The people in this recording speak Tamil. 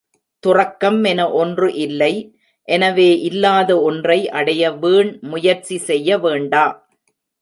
துறக்கம் என ஒன்று இல்லை, எனவே இல்லாத ஒன்றை அடைய வீண், முயற்சி செய்ய வேண்டா.